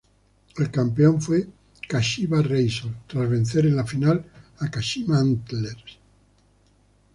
El campeón fue Kashiwa Reysol, tras vencer en la final a Kashima Antlers.